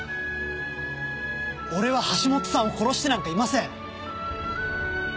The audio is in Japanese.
俺は橋本さんを殺してなんかいません！